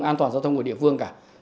an toàn giao thông của địa phương cả